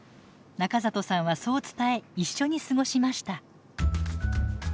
中里さんはそう伝え一緒に過ごしました。